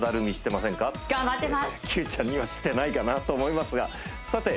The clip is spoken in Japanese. いやいやＱちゃんにはしてないかなと思いますがさて